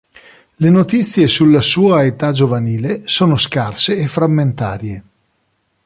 Le notizie sulla sua età giovanile, sono scarse e frammentarie.